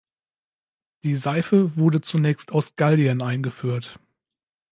Die Seife wurde zunächst aus Gallien eingeführt.